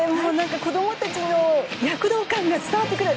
子供達の躍動感が伝わってくる。